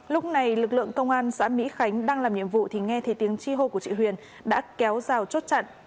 lúc này lực lượng công an xã mỹ khánh đang làm nhiệm vụ thì nghe thấy tiếng chi hô của chị huyền đã kéo rào chốt chặn